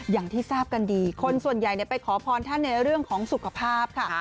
อย่างที่ทราบกันดีคนส่วนใหญ่ไปขอพรท่านในเรื่องของสุขภาพค่ะ